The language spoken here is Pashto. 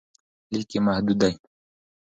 لیک یې محدود دی.